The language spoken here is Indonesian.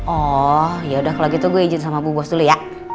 oh ya udah kalo gitu gue izin sama bu bos dulu ya